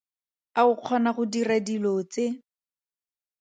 A o kgona go dira dilo tse?